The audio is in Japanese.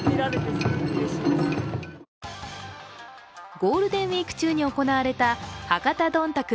ゴールデンウイーク中に行われた博多どんたく